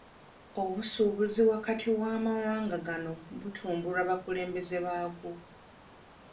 Obusuubuzi wakati w'amawanga gano butumbulwa bakulembeze baago.